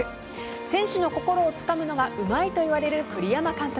選手の心をつかむのがうまいといわれる栗山監督。